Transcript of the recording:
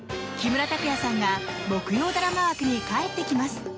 木村拓哉さんが木曜ドラマ枠に帰ってきます。